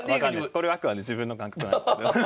これはあくまで自分の感覚なんですけど。